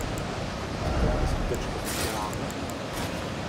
Co tedy ve skutečnosti děláme?